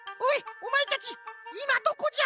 おまえたちいまどこじゃ！？